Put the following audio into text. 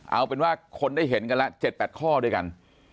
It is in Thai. เอาเป็นว่าคนได้เห็นกันละ๗๘ข้อด้วยกัน